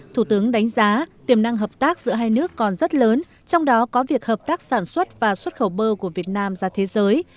thủ tướng đánh giá tiềm năng hợp tác giữa hai nước còn rất lớn trong đó có việc hợp tác sản xuất và xuất khẩu bơ của việt nam ra thế giới